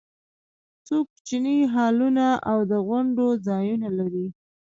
څو کوچني هالونه او د غونډو ځایونه لري.